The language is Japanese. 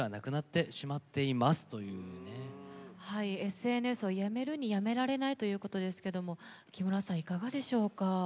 ＳＮＳをやめるにやめられないということですけれども木村さん、いかがでしょうか？